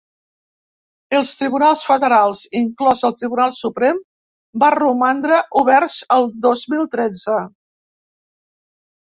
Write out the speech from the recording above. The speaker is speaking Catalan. Els tribunals federals, inclòs el Tribunal Suprem, van romandre oberts el dos mil tretze.